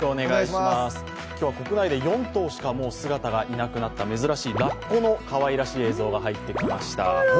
今日は国内で４頭しか姿が見られない珍しいラッコのかわいらしい映像が入ってきました。